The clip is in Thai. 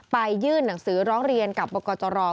ไปยื่นหนังสือร้องเรียนกับประกอบจรรย์